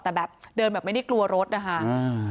แต่แบบเดินแบบไม่ได้กลัวรถนะคะ